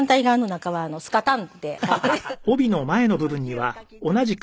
はい。